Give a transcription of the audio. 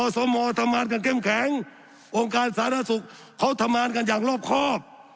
สมทำงานกันเข้มแข็งองค์การสาธารณสุขเขาทำงานกันอย่างรอบครอบ